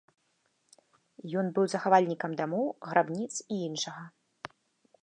Ён быў захавальнікам дамоў, грабніц і іншага.